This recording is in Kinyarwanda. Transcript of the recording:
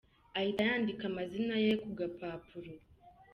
Ahita yandika amazina ye ku gapapuro.